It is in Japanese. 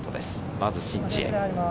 まず、シン・ジエ。